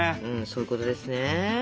そういうことですね。